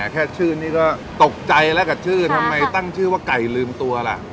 แค่ชื่อนี้ก็ตกใจแล้วกับชื่อทำไมตั้งชื่อว่าไก่ลืมตัวล่ะ